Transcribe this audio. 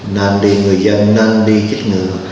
nên người dân nên đi chích ngừa